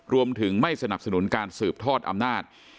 รวมถึงไม่สนับสนุนการสืบทอดอำนาจ